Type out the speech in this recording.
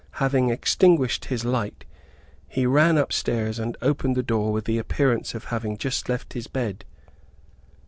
Having extinguished his light, he ran up stairs, and opened the door with the appearance of having just left his bed.